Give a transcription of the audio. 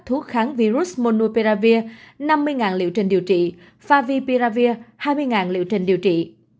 thuốc kháng virus monopiravir năm mươi liệu trình điều trị favipiravir hai mươi liệu trình điều trị